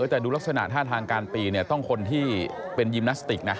แต่ดูลักษณะท่าทางการตีเนี่ยต้องคนที่เป็นยิมนาสติกนะ